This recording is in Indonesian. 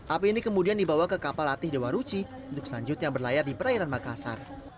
api ini kemudian dibawa ke kapal latih dewa ruchi untuk selanjutnya berlayar di perairan makassar